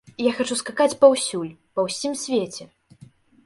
Я хачу скакаць паўсюль, па ўсім свеце.